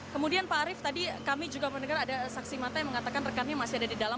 kemudian pak arief tadi kami juga mendengar ada saksi mata yang mengatakan rekannya masih ada di dalam